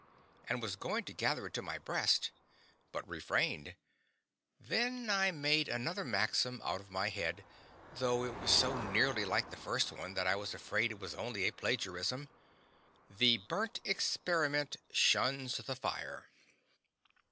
and was going to gather it to my breast. But refrained. Then I made another maxim out of my head, though it was so nearly like the first one that I was afraid it was only a plagiarism: "THE BURNT EXPERIMENT SHUNS THE FIRE."